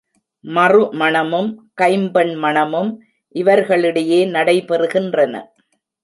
மறுமணமும், கைம்பெண் மணமும் இவர்களிடையே நடைபெறுகின்றன.